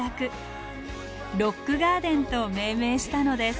「ロックガーデン」と命名したのです。